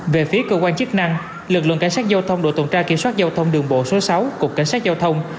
về phía cơ quan chức năng lực lượng cảnh sát giao thông đội tuần tra kiểm soát giao thông đường bộ số sáu cục cảnh sát giao thông